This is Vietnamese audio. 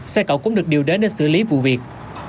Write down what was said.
xe cậu cũng được điều đến để xử lý vụ việc